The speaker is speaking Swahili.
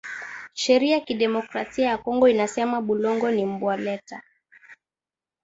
Sheria ya ki democracia ya kongo inasema bulongo ni bwa leta